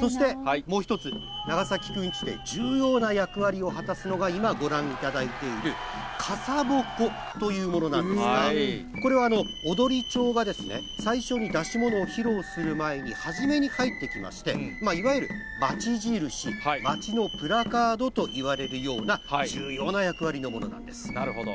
そしてもう一つ、長崎くんちで重要な役割を果たすのが今ご覧いただいている、傘鉾というものなんですが、これは踊町が最初に出し物を披露する前にはじめに入ってきまして、いわゆる町印、町のプラカードといわれるような、重要な役割のもなるほど。